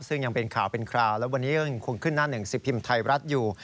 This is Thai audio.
ซึ่งยังเป็นข่าวเป็นคราวและวันนี้ก็ยังคงขึ้นหน้าหนึ่งสิบพิมพ์ไทยรัฐอยู่